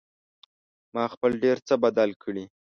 ما خپل ډېر څه بدل کړي